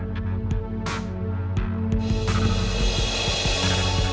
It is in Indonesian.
tidak interest yumeak